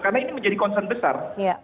karena ini menjadi concern besar